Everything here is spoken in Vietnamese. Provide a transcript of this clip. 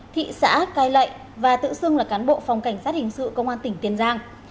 thị xã cai lậy và tự xưng là cán bộ phòng cảnh sát hình sự công an tỉnh tiền giang